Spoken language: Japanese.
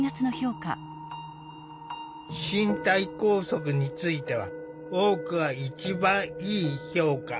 身体拘束については多くが一番いい評価。